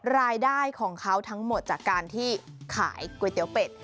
รายได้ของเขาทั้งหมดจากการที่ขายก๋วยเตี๋ยวเป็ด